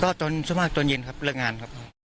ก็จนชั่วมากจนเย็นครับเรื่องงานครับ